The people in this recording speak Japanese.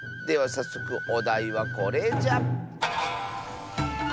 さっそくおだいはこれじゃ。